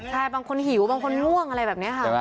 ใช่บางคนหิวบางคนง่วงอะไรแบบนี้ค่ะ